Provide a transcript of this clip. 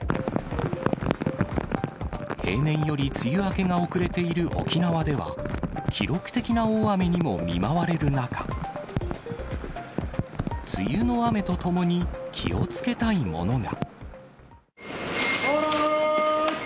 平年より梅雨明けが遅れている沖縄では、記録的な大雨にも見舞われる中、梅雨の雨とともに気をつけたいものが。